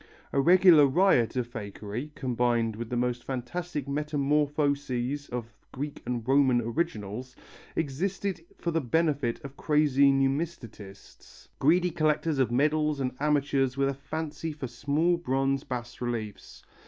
A regular riot of fakery, combined with the most fantastic metamorphoses of Greek and Roman originals, existed for the benefit of crazy numismatists, greedy collectors of medals and amateurs with a fancy for small bronze bas reliefs.